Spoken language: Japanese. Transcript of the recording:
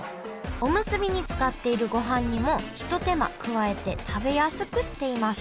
おむすびに使っているご飯にもひと手間加えて食べやすくしています。